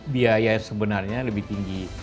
biaya yang sebenarnya lebih tinggi